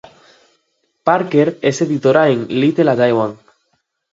Parker es editora en Little A y Day One.